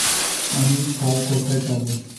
আমি শাল কোথায় পাব?